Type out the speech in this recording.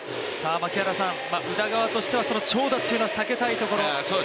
宇田川としては長打というのは避けたいところ。